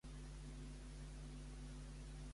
Qui va ser Íficles?